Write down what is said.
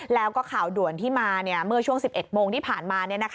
แล้วก็ข่าวด่วนที่มาเมื่อช่วง๑๑โมงที่ผ่านมา